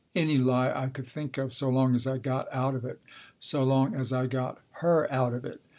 Any lie I could think of, so long as I got out of it. So long as I got her out of it.